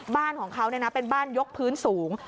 บ้านของเขาเนี่ยนะเป็นบ้านยกพื้นสูง